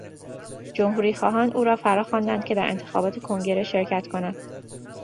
جمهوری خواهان او را فراخواندند که در انتخابات کنگره شرکت کند.